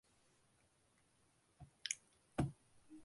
உடல் முழுவதும் பொன்னிறப் பசலை போர்த்திருந்தது அவளுக்கு.